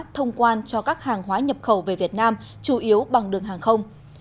thông quan cho các hàng hóa nhập khẩu về việt nam chủ yếu bằng đường hàng không